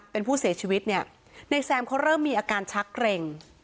เป็นผู้เสียชีวิตเนี่ยในแซมเขาเริ่มมีอาการชักเกร็ง